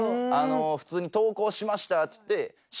普通に「投稿しました」っていって。